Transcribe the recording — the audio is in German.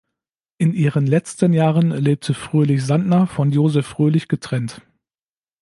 In ihren letzten Jahren lebte Fröhlich-Sandner von Josef Fröhlich getrennt.